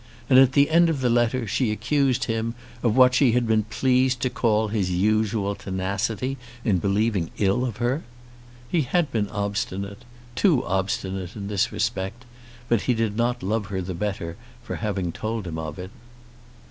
And at the end of the letter she accused him of what she had been pleased to call his usual tenacity in believing ill of her! He had been obstinate, too obstinate in this respect, but he did not love her the better for having told him of it.